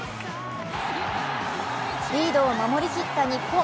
リードを守りきった日本。